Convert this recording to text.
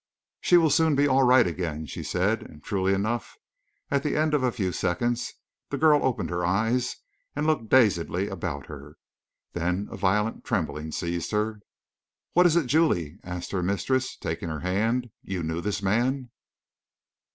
"She will soon be all right again," she said; and, truly enough, at the end of a few seconds, the girl opened her eyes and looked dazedly about her. Then a violent trembling seized her. "What is it, Julie?" asked her mistress, taking her hand. "You knew this man?"